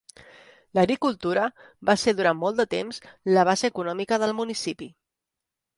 L'agricultura va ser durant molt de temps la base econòmica del municipi.